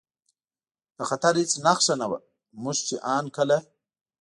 د خطر هېڅ نښه نه وه، موږ چې ان کله.